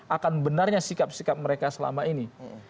akan benarnya sikap sikap mereka selama ini